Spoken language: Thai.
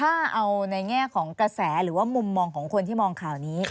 ถ้าเอาในแง่ของกระแสหรือว่ามุมมองของคนที่มองข่าวนี้